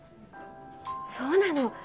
そうなの。